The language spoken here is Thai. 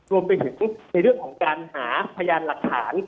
รวมไปถึงในเรื่องของการหาพยานหลักฐาน